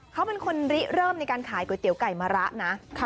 เขาเป็นคนริเริ่มในการขายก๋วยเตี๋ยไก่มะระนะ